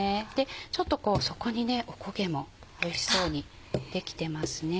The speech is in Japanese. ちょっとこう底にねおこげもおいしそうに出来てますね。